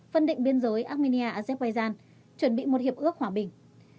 phân định biên giới armenia azerbaijan chuẩn bị một hiệp ước hòa bình